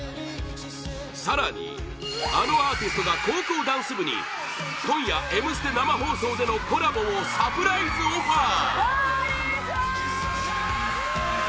更に、あのアーティストが高校ダンス部に今夜「Ｍステ」生放送でのコラボをサプライズオファー